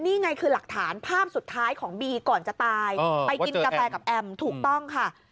นี่ไงคือหลักฐานภาพสุดท้ายของบีก่อนจะตายไปกินกาแฟกับแอมถูกต้องค่ะ